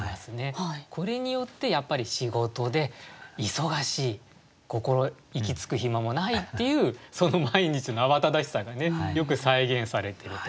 これによってやっぱり仕事で忙しい心息つく暇もないっていうその毎日の慌ただしさがよく再現されてると思います。